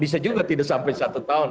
bisa juga tidak sampai satu tahun